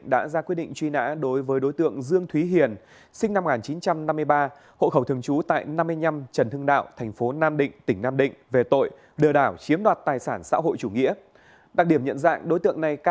đang theo dõi